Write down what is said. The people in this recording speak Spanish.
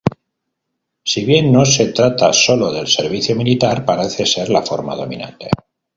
Si bien no se trata sólo del servicio militar, parece ser la forma dominante.